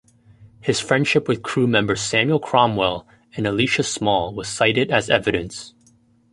His friendship with crew members Samuel Cromwell and Elisha Small was cited as evidence.